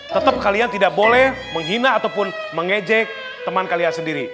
tetap kalian tidak boleh menghina ataupun mengejek teman kalian sendiri